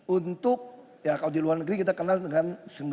untuk ya kalau di luar negeri kita kenal dengan sembilan puluh